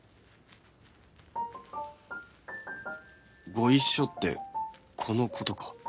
ご一緒ってこの事か